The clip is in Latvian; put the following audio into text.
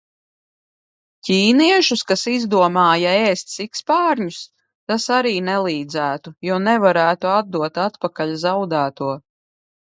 Ķīniešus, kas izdomāja ēst sikspārņus? Tas arī nelīdzētu, jo nevarētu atdot atpakaļ zaudēto.